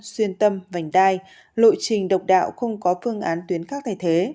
xuyên tâm vành đai lộ trình độc đạo không có phương án tuyến khác thay thế